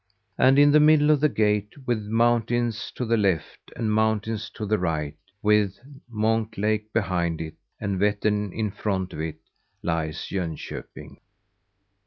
And in the middle of the gate with mountains to the left, and mountains to the right, with Monk Lake behind it, and Vettern in front of it lies Jönköping.